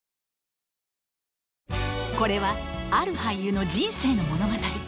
これはある俳優の人生の物語